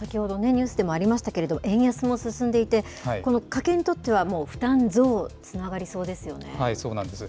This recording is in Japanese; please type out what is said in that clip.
ニュースでもありましたけど、円安も進んでいて、この家計にとっては、負担増につながそうなんです。